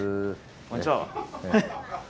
「こんにちは」は？